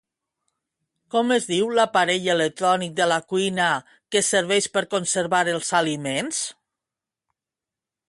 Com es diu l'aparell electrònic de la cuina que serveix per conservar els aliments?